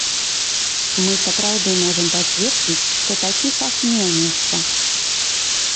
Мы сапраўды можам пацвердзіць, што такі факт меў месца.